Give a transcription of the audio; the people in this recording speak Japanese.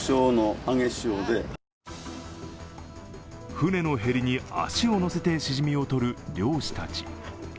船の縁に足を乗せてシジミを取る漁師たち。